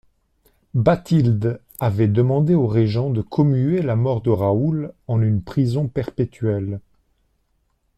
Bathilde avait demandé au régent de commuer la mort de Raoul en une prison perpétuelle.